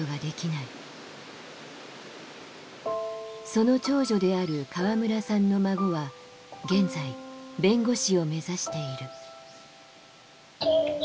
その長女である河村さんの孫は現在弁護士を目指している。